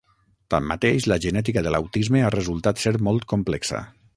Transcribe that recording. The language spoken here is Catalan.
Tanmateix, la genètica de l'autisme ha resultat ser molt complexa.